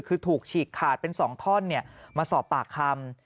คือถูกฉีกขาดเป็น๒ท่อนมาสอบปากคำ